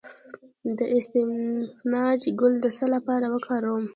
د اسفناج ګل د څه لپاره وکاروم؟